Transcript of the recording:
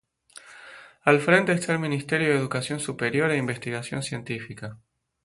Al frente esta el Ministerio de Educación Superior e Investigación Científica.